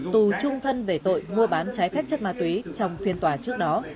tù trung thân về tội mua bán trái phép chất ma túy trong phiên tòa trước đó